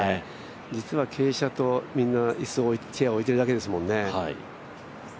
実は傾斜とみんなチェアを置いているだけですもんね。